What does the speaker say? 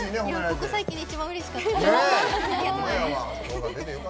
ここ最近で一番うれしかったです。